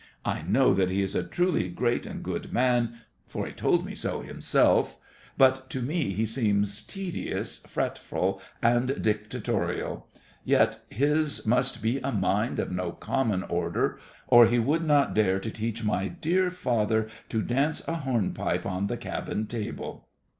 I know that he is a truly great and good man, for he told me so himself, but to me he seems tedious, fretful, and dictatorial. Yet his must be a mind of no common order, or he would not dare to teach my dear father to dance a hornpipe on the cabin table.